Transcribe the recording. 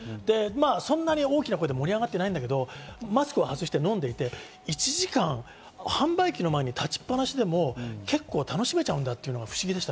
そんな大きな声で盛り上がってないけど、マスクを外して飲んでいて、１時間、販売機の前に立ちっ放しでも結構楽しめちゃうのが不思議でした。